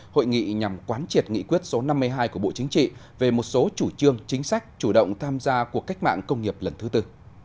hội nghị nhằm quán triệt nghị quyết số năm mươi hai của bộ chính trị về một số chủ trương chính sách chủ động tham gia cuộc cách mạng công nghiệp lần thứ tư